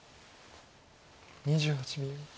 ２８秒。